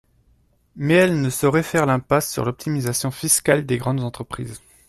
Mais elle ne saurait faire l’impasse sur l’optimisation fiscale des grandes entreprises.